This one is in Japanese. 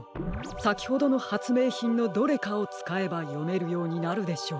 さきほどのはつめいひんのどれかをつかえばよめるようになるでしょう。